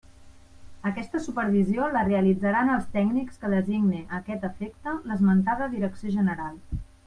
Aquesta supervisió la realitzaran els tècnics que designe a aquest efecte l'esmentada direcció general.